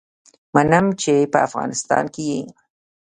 منم دی چې په افغانستان کي يي